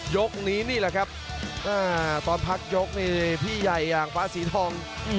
ยกนี้นี่แหละครับตอนพักยกนี่พี่ใหญ่อย่างฟ้าสีทอง